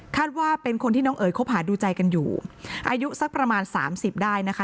ว่าเป็นคนที่น้องเอ๋ยคบหาดูใจกันอยู่อายุสักประมาณสามสิบได้นะคะ